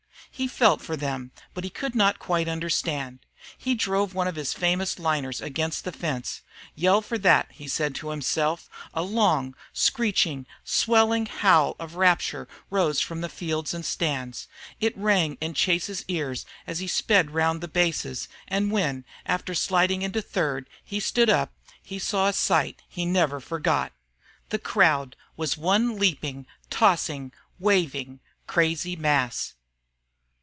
He felt for them, but could not quite understand. He drove one of his famous liners against the fence. "Yell for that!" he said to himself. A long screeching, swelling howl of rapture rose from the field and stands. It rang in Chase's ears as he sped round the bases, and when, after sliding into third, he stood up, he saw a sight he never forgot. The crowd was one leaping, tossing, waving, Crazy mass.